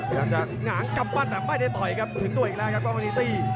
พยายามจะหงางกำปั้นแต่ไม่ได้ต่อยครับถึงตัวอีกแล้วครับน้องมณีตี้